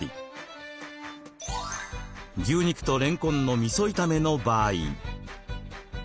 牛肉とれんこんのみそ炒めの場合。